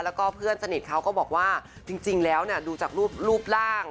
แล้วก็เพื่อนสนิทเขาก็บอกว่าจริงแล้วดูจากรูปร่าง